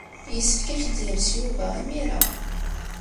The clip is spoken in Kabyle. Yessefk ad ak-d-yales Yuba imir-a.